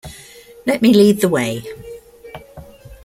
Let me lead the way.